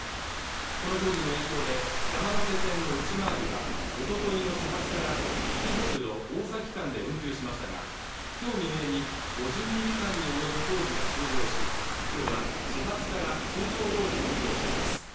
この工事の影響で山手線の内回りはおとといの始発から池袋ー大崎間で運休しましたが今日未明に５２時間におよぶ工事が終了しきょうは始発から通常どおり運行しています